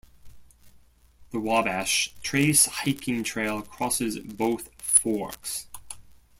The Wabash Trace hiking trail crosses both forks.